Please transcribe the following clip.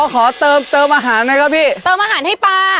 อ๋อขอเติบเติบอาหารไงครับพี่เติบอาหารให้ป่า